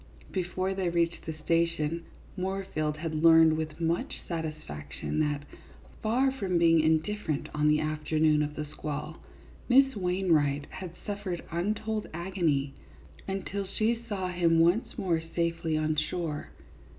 " Before they reached the station, Moorfield had learned with much satisfaction that, far from being indifferent on the afternoon of the squall, Miss Wainwright had suffered untold agony until she saw him once more safely on shore.